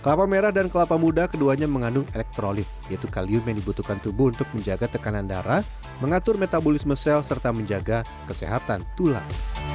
kelapa merah dan kelapa muda keduanya mengandung elektrolit yaitu kalium yang dibutuhkan tubuh untuk menjaga tekanan darah mengatur metabolisme sel serta menjaga kesehatan tulang